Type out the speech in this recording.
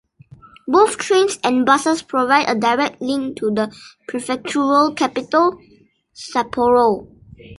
Both trains and buses provide a direct link to the prefectural capital, Sapporo.